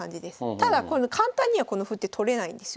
ただ簡単にはこの歩って取れないんですよ。